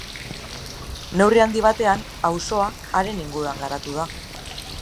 Neurri handi batean auzoa haren inguruan garatu da.